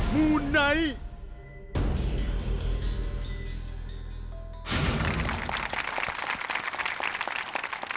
มูไนท์